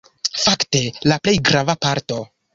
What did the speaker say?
Fakte la plej grava parto.